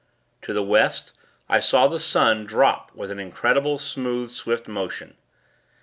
To the West, I saw the sun, drop with an incredible, smooth, swift motion.